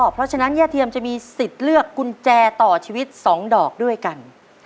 เพราะฉะนั้นย่าเทียมจะมีสิทธิ์เลือกกุญแจต่อชีวิต๒ดอกด้วยกัน